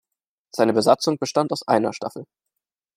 Seine Besatzung bestand aus einer Staffel.